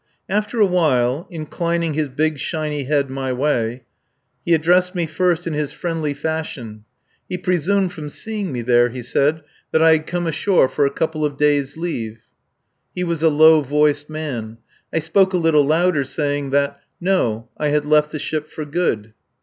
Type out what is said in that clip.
After a while, inclining his big shiny head my way, he addressed me first in his friendly fashion. He presumed from seeing me there, he said, that I had come ashore for a couple of days' leave. He was a low voiced man. I spoke a little louder, saying that: No I had left the ship for good.